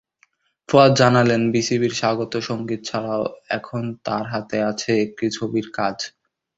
ফুয়াদ জানালেন, বিসিবির স্বাগত সংগীত ছাড়াও এখন তাঁর হাতে আছে একটি ছবির কাজ।